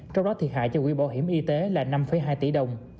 trong đó thiệt hại cho quỹ bảo hiểm y tế là năm hai tỷ đồng